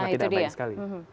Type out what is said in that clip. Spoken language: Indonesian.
ini kan sangat tidak baik sekali